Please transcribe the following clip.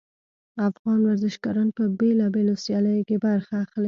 افغان ورزشګران په بیلابیلو سیالیو کې برخه اخلي